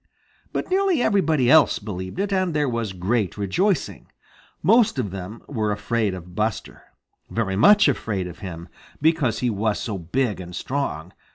But nearly everybody else believed it, and there was great rejoicing. Most of them were afraid of Buster, very much afraid of him, because he was so big and strong.